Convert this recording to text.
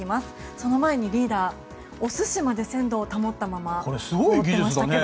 その前にリーダーお寿司まで鮮度を保ったまま凍ってましたけど。